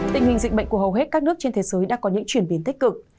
tình hình dịch bệnh của hầu hết các nước trên thế giới đã có những chuyển biến tích cực